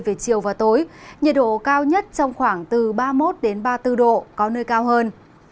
về chiều và tối nhiệt độ cao nhất trong khoảng từ ba mươi một ba mươi bốn độ có nơi cao hơn